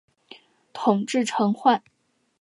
统制陈宧。